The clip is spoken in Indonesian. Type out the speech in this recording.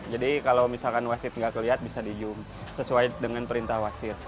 jadi kalau misalkan wasit tidak terlihat bisa di zoom sesuai dengan perintah wasit